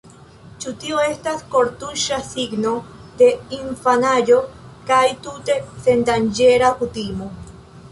Ĉu tio estas kortuŝa signo de infanaĝo kaj tute sendanĝera kutimo?